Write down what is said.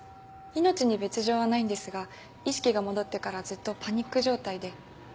命に別条はないんですが意識が戻ってからずっとパニック状態で。